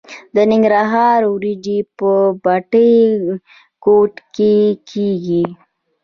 د ننګرهار وریجې په بټي کوټ کې کیږي.